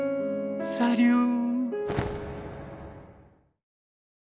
サリュー！